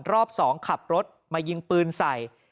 รอบ๒ขับรถมายิงปืนใส่